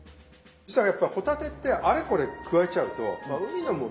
やっぱ帆立てってあれこれ加えちゃうと海のものはね